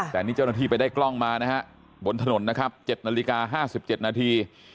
แต่นี่เจ้าหน้าที่ไปได้กล้องมาบนถนน๗นาฬิกา๕๗นาที